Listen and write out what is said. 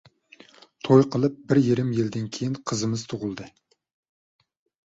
توي قىلىپ بىر يېرىم يىلدىن كېيىن قىزىمىز تۇغۇلدى.